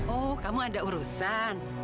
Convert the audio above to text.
oh kamu ada urusan